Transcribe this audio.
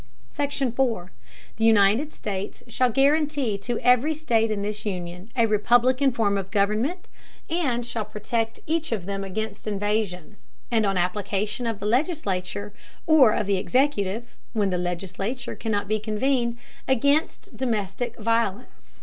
SECTION. 4. The United States shall guarantee to every State in this Union a Republican Form of Government, and shall protect each of them against Invasion; and on Application of the Legislature, or of the Executive (when the Legislature cannot be convened) against domestic Violence.